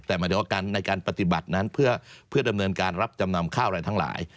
แต่หมายถึงว่าในการปฏิบัตินั้นเพื่อดำเนินการรับจำนำข้าวอะไรทั้งหลาย